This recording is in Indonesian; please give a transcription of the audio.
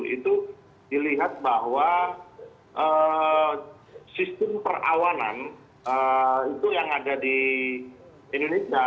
itu dilihat bahwa sistem perawanan itu yang ada di indonesia